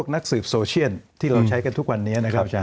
นักสืบโซเชียนที่เราใช้กันทุกวันนี้